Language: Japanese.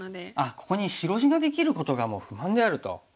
ここに白地ができることがもう不満であると。